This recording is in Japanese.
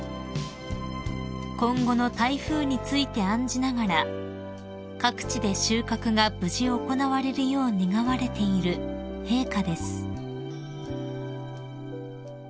［今後の台風について案じながら各地で収穫が無事行われるよう願われている陛下です］